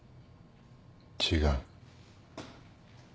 違う。